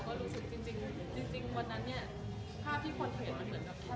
คือบรรยากาศมันน่ะนะข้ามผ่านเรื่องนั้นก็เลยนะ